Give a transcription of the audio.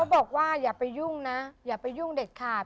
บอกว่าอย่าไปยุ่งนะอย่าไปยุ่งเด็ดขาด